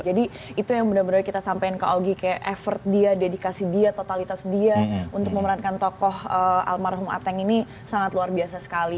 jadi itu yang benar benar kita sampein ke augie kayak effort dia dedikasi dia totalitas dia untuk memerankan tokoh almarhum ateng ini sangat luar biasa sekali